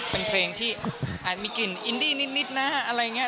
เป็นเพลงที่อาจมีกลิ่นอินดี้นิดนะอะไรอย่างนี้